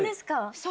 そう。